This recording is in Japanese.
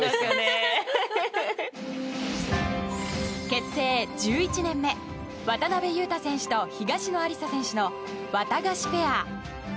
結成１１年目渡辺勇大選手と東野有紗選手のワタガシペア。